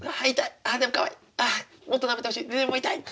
あでもかわいいもっとなめてほしいでも痛い！っていう状況です。